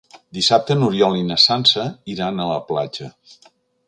Dissabte n'Oriol i na Sança iran a la platja.